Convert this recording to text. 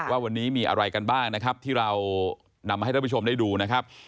ว่าวันนี้มีอะไรกันบ้างนะครับที่เรานำมาให้ท่านผู้ชมได้ดูนะครับ